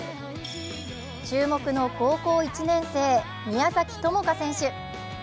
注目の高校１年生、宮崎友花選手。